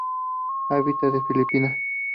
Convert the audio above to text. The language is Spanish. Habita en Filipinas.